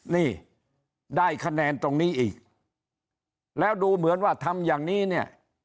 นี่ได้คะแนนตรงนี้อีกแล้วดูเหมือนว่าทำอย่างนี้เนี่ย